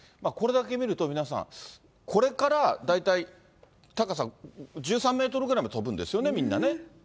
これだけ見ると、皆さん、これから大体高さ１３メートルぐらいまで跳ぶんですよね、みんなね。